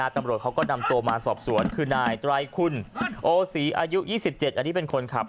ตำรวจเขาก็นำตัวมาสอบสวนคือนายไตรคุณโอศรีอายุ๒๗อันนี้เป็นคนขับ